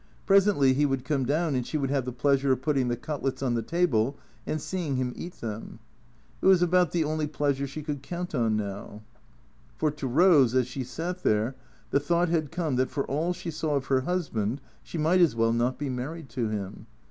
Presently he would come doM'n, and she would have the pleasure of putting the cutlets on the table and seeing him eat them. It was about the only pleas ure she could count on now. For to Rose, as she sat there, the thought had come that for all she saw of her husband she might as well not be married to him.